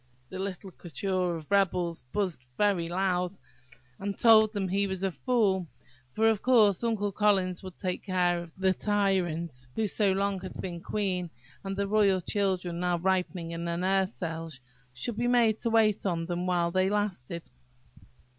the little coterie of rebels buzzed very loud, and told him he was a fool, for, of course, Uncle Collins would take care that the tyrant who had so long been queen, and the royal children, now ripening in their nurse cells, should be made to wait on them while they lasted.